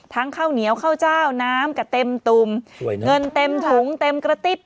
ข้าวเหนียวข้าวเจ้าน้ำก็เต็มตุ่มเงินเต็มถุงเต็มกระติ๊บ